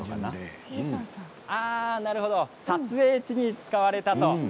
なるほど撮影地に使われたと。